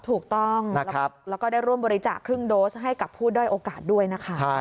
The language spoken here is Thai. ถูกต้องแล้วก็ได้ร่วมบริจาคครึ่งโดสให้กับผู้ด้อยโอกาสด้วยนะคะ